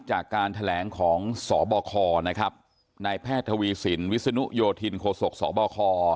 จากการแถลงของสบคนะครับนายแพทย์ทวีสินวิศนุโยธินโคศกสบค